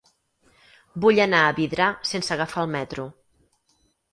Vull anar a Vidrà sense agafar el metro.